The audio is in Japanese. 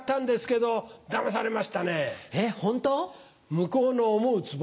向こうの思うツボ。